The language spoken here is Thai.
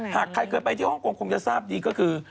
หากใครเคยไปที่ฮ่องกงคงจะทราบดีก็คือ